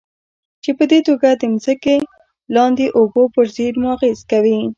چې پدې توګه د ځمکې لاندې اوبو پر زېرمو اغېز کوي.